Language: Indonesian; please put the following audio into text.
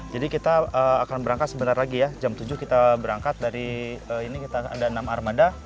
jadi kita akan berangkat sebentar lagi ya jam tujuh kita berangkat dari ini kita ada enam armada